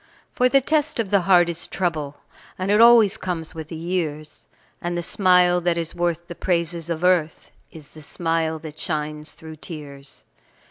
For the test of the heart is trouble, And it always comes with the years, And the smile that is worth the praises of earth Is the smile that shines through tears.